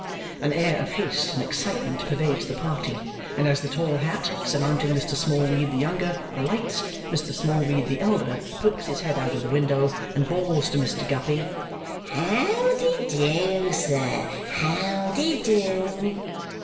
An air of haste and excitement pervades the party, and as the tall hat (surmounting Mr. Smallweed the younger) alights, Mr. Smallweed the elder pokes his head out of window and bawls to Mr. Guppy, "How de do, sir! How de do!"